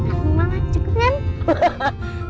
aku mau masuk kan